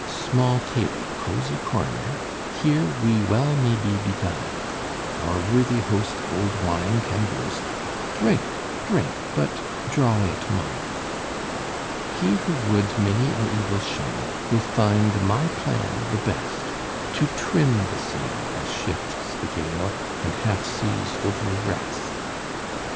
Small table cozy corner here We well may be beguiled; Our worthy host old wine can boast: Drink, drink but draw it mild! He who would many an evil shun Will find my plan the best To trim the sail as shifts the gale, And half seas over rest.